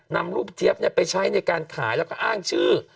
นำรูปเจี๊ยบไปใช้ในการขายแล้วก็อ้างชื่อ